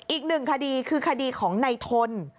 อีก๑คดีคือคดีของนายทน